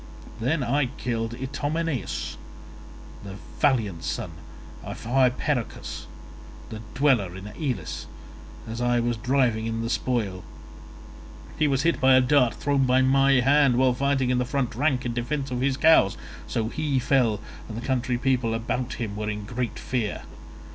I then killed Itymoneus, the valiant son of Hypeirochus, a dweller in Elis, as I was driving in the spoil; he was hit by a dart thrown by my hand while fighting in the front rank in defence of his cows, so he fell and the country people around him were in great fear.